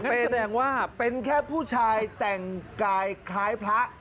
แสดงว่าเป็นแค่ผู้ชายแต่งกายคล้ายพระ